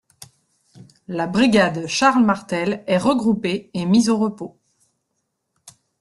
La brigade Charles Martel est regroupée et mise au repos.